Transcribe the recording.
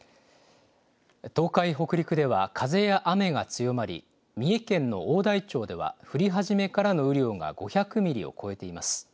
東海、北陸では、風や雨が強まり、三重県の大台町では降り始めからの雨量が５００ミリを超えています。